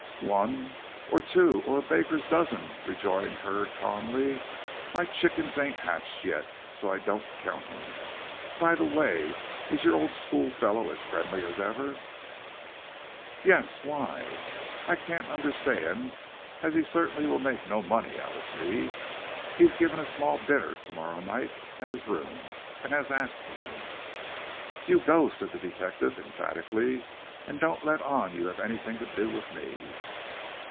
"On one or two or a baker's dozen," rejoined Hurd, calmly. "My chickens ain't hatched yet, so I don't count 'em. By the way, is your old school fellow as friendly as ever?" "Yes. Why, I can't understand; as he certainly will make no money out of me. He's giving a small dinner to morrow night at his rooms and has asked me." "You go," said the detective, emphatically; "and don't let on you have anything to do with me."